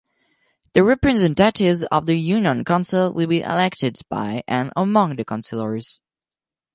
The representatives of the Union Council will be elected by and among the Councillors.